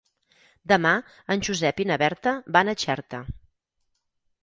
Demà en Josep i na Berta van a Xerta.